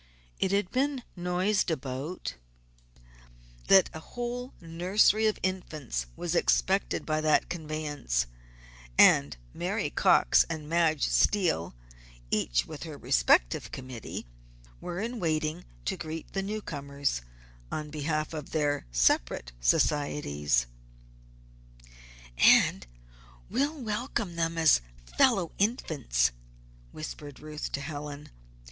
It had been noised abroad that a whole nursery of Infants was expected by that conveyance, and Mary Cox and Madge Steele, each with her respective committee, were in waiting to greet the new comers on behalf of their separate societies. "And we'll welcome them as fellow infants," whispered Ruth to Helen.